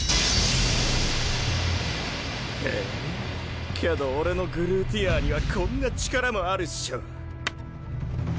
へぇけど俺のグルーティアーにはこんな力もあるっショ。